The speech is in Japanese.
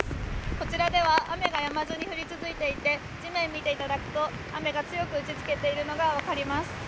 こちらでは雨がやまずに降り続いていて、地面を見ていただくと雨が強く打ちつけているのが分かります。